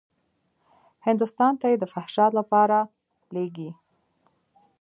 هندوستان ته يې د فحشا دپاره لېږي.